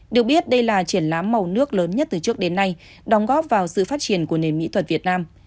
được biết đây là triển lãm màu nước lớn nhất từ trước đến nay đóng góp vào sự phát triển của nền mỹ thuật việt nam